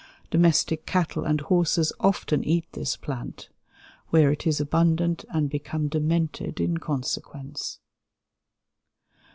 Domestic cattle and horses often eat this plant; where it is abundant, and become demented in consequence.